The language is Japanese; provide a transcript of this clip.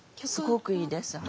すごくいいです。